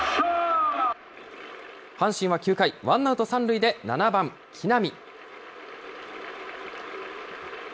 阪神は９回、ワンアウト３塁で７番木浪。